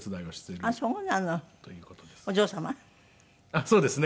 あっそうですね。